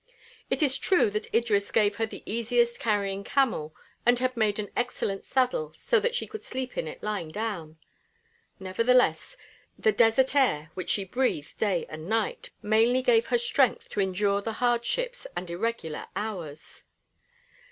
It is true that Idris gave her the easiest carrying camel and had made an excellent saddle so that she could sleep in it lying down; nevertheless the desert air, which she breathed day and night, mainly gave her strength to endure the hardships and irregular hours.